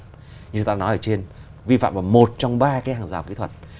như chúng ta đã nói ở trên vi phạm vào một trong ba cái hàng rào kỹ thuật